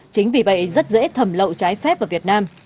chính vì vậy rất dễ thẩm lậu trái phép vào việt nam